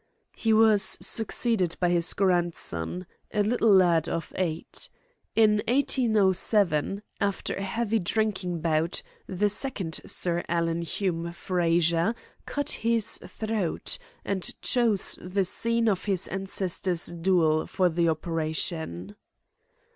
"He was succeeded by his grandson, a little lad of eight. In 1807, after a heavy drinking bout, the second Sir Alan Hume Frazer cut his throat, and chose the scene of his ancestor's duel for the operation."